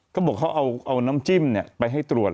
ก็บอกเขาเอาน้ำจิ้มไปให้ตรวจ